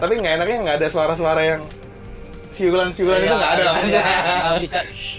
tapi ga enaknya ga ada suara suara yang siulan siulan itu ga ada mas